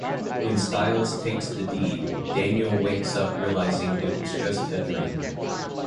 When Stiles takes the deed, Daniel wakes up realizing it was just a dream.